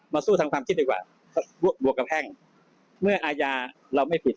สู้ทางความคิดดีกว่าบวกกับแพ่งเมื่ออาญาเราไม่ผิด